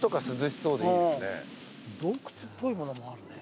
洞窟っぽいものもあるね。